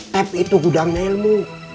tep itu gudangnya ilmu